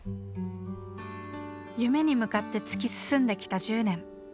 夢に向かって突き進んできた１０年。